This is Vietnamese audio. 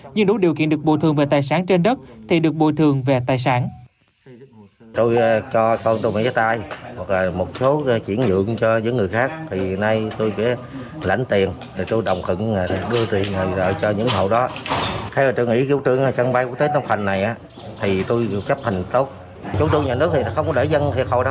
nhưng đối điều kiện được bồi thường về tài sản trên đất thì được bồi thường về tài sản